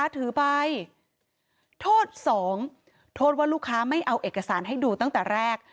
ถือไปโทษ๒โทษว่าลูกค้าไม่เอาเอกสารให้ดูตั้งแต่แรก